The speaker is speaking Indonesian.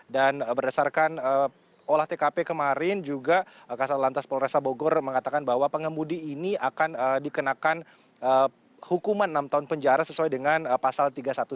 dan berdasarkan olah tkp kemarin juga kasal lantas polresa bogor mengatakan bahwa pengemudi ini akan dikenakan hukuman enam tahun penjara sesuai dengan pasal tiga satu sepuluh